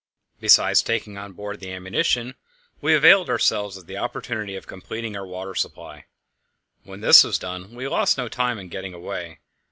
Besides taking on board the ammunition, we availed ourselves of the opportunity of completing our water supply. When this was done, we lost no time in getting away.